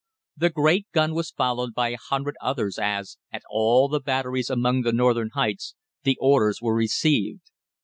The great gun was followed by a hundred others as, at all the batteries along the northern heights, the orders were received.